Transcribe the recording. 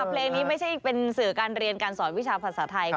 เพลงนี้ไม่ใช่เป็นสื่อการเรียนการสอนวิชาภาษาไทย